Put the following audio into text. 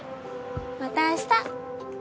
また明日！